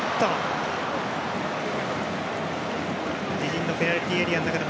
自陣のペナルティーエリアでも